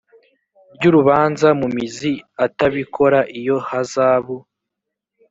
ry urubanza mu mizi atabikora iyo hazabu